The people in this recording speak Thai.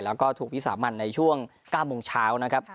แล้วก็ถูกวิสามันในช่วง๙โมงเช้านะครับ